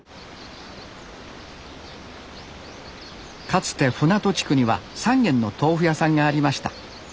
かつて船戸地区には３軒の豆腐屋さんがありました。